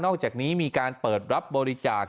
อกจากนี้มีการเปิดรับบริจาค